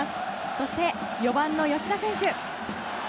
そして４番の吉田選手。